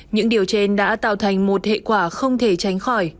những điều trên đã tạo thành một hệ quả không thể tránh khỏi